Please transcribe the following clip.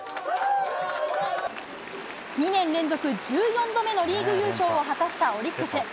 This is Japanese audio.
２年連続１４度目のリーグ優勝を果たしたオリックス。